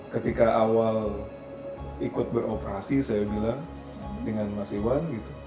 ketika awal ikut beroperasi saya bilang dengan mas iwan